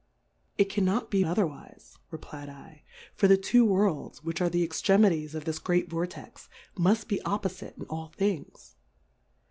It cannot be otherwife, reply d I, for the two Worlds, which are the Extremities of this great Vor tex, muft be oppofite in all Things.